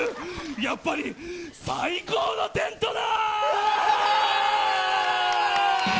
やっぱり最高のテントだ。